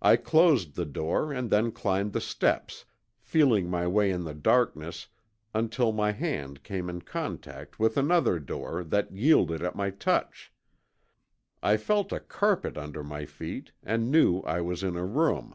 I closed the door and then climbed the steps, feeling my way in the darkness until my hand came in contact with another door that yielded at my touch. I felt a carpet under my feet and knew I was in a room.